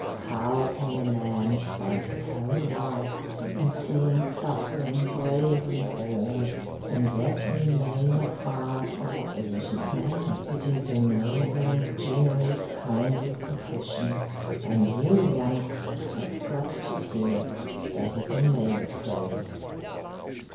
How can a man spend his whole life in seeing suffering bravely borne and yet remain a hard or a vicious man? It is a noble, generous, kindly profession, and you youngsters have got to see that it remains so."